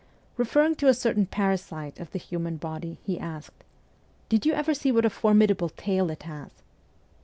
Referring to a certain parasite of the human body, he asked, ' Did you ever see what a formidable tail it has